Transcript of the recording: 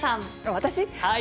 私？